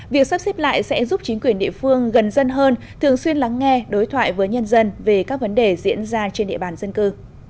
việc sắp xếp lại sẽ giúp chính quyền địa phương gần dân hơn thường xuyên lắng nghe đối thoại với nhân dân về các vấn đề diễn ra trên địa bàn dân cư